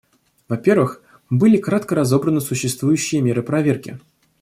Во-первых, были кратко разобраны существующие меры проверки.